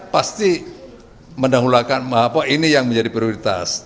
pasti mendahulukan ini yang menjadi prioritas